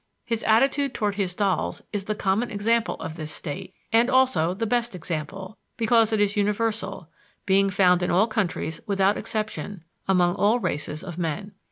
His attitude towards his dolls is the common example of this state, and also the best example, because it is universal, being found in all countries without exception, among all races of men.